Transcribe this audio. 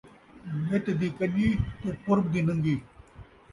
نت دی کڄی تے پُرب دی نن٘گی